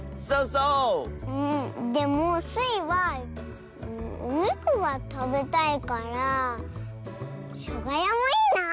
でもスイはおにくがたべたいから「しょがや」もいいなあ。